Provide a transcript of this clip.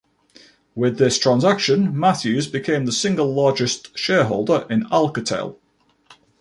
With this transaction, Matthews became the single largest shareholder in Alcatel.